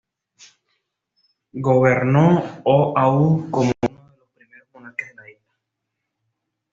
Gobernó Oʻahu como uno de los primeros monarcas de la isla.